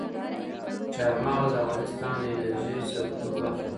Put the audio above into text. چار مغز د افغانستان د انرژۍ سکتور برخه ده.